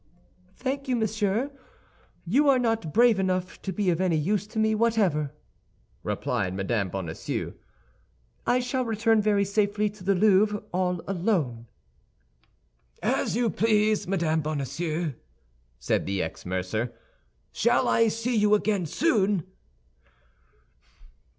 "Thank you, monsieur, you are not brave enough to be of any use to me whatever," replied Mme. Bonacieux. "I shall return very safely to the Louvre all alone." "As you please, Madame Bonacieux," said the ex mercer. "Shall I see you again soon?"